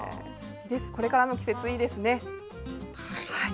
これからの季節いいですね。